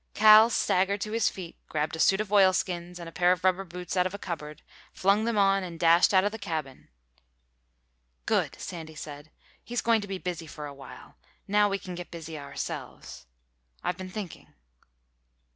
Cal staggered to his feet, grabbed a suit of oilskins and a pair of rubber boots out of a cupboard, flung them on, and dashed out of the cabin. "Good," Sandy said. "He's going to be busy for a while. Now we can get busy ourselves. I've been thinking."